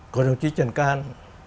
của đồng chí trần can